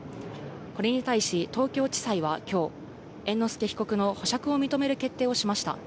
これに対し東京地裁はきょう、猿之助被告の保釈を認める決定をしました。